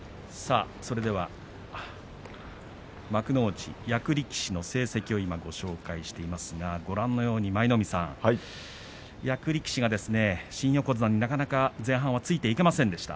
幕内役力士の成績をご紹介していますがご覧のように役力士がですね新横綱になかなか前半ついていけませんでした。